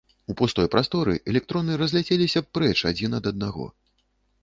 У пустой прасторы, электроны разляцеліся б прэч адзін ад аднаго.